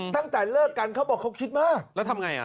ตั้งแต่เลิกกันเขาบอกเขาคิดมากแล้วทำไงอ่ะ